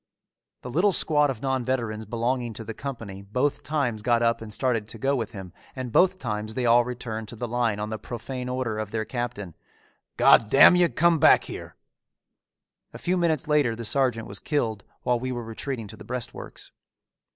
The little squad of non veterans belonging to the company both times got up and started to go with him and both times they all returned to the line on the profane order of their captain, "God damn you, come back here." A few minutes later the sergeant was killed while we were retreating to the breastworks.